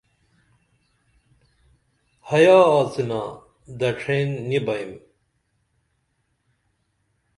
حیا آڅِنا دڇھین نی بئیم